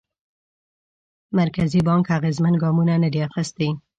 مرکزي بانک اغېزمن ګامونه ندي اخیستي.